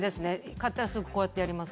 買ったらすぐこうやってやります。